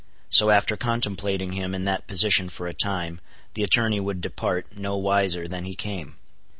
So after contemplating him in that position for a time, the attorney would depart, no wiser than he came.